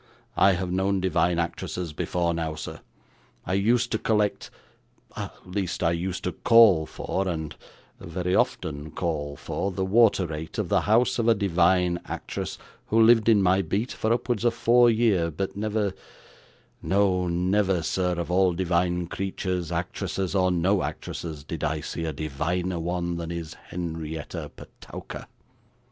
'I have known divine actresses before now, sir, I used to collect at least I used to CALL for and very often call for the water rate at the house of a divine actress, who lived in my beat for upwards of four year but never no, never, sir of all divine creatures, actresses or no actresses, did I see a diviner one than is Henrietta Petowker.